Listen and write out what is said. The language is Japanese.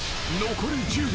残り１０秒。